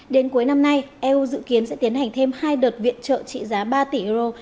đến cuối năm nay eu dự kiến sẽ tiến hành thêm hai đợt viện trợ trị giá ba tỷ euro